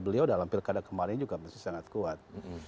beliau dalam pilkada kemarin juga masih sangat kuat